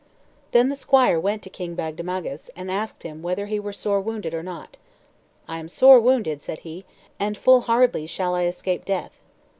Then the squire went to King Bagdemagus, and asked him whether he were sore wounded or not. "I am sore wounded," said he, "and full hardly shall I escape death."